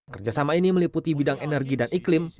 kerjasama ini meliputi bidang energi dan iklim